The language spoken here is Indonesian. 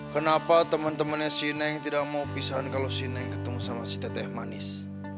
kenapa temen temennya si neng tidak mau pisahan kalau si neng ketemu sama si teteh manis